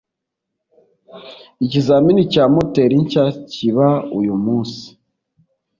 Ikizamini cya moteri nshya kiba uyu munsi.